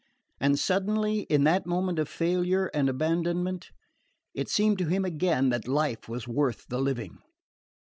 And suddenly, in that moment of failure and abandonment, it seemed to him again that life was worth the living.